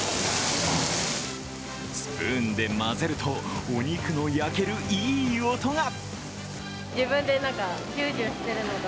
スプーンで混ぜると、お肉の焼けるいい音が。